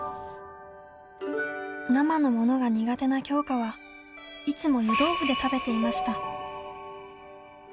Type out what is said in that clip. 生のものが苦手な鏡花はいつも湯豆腐で食べていました。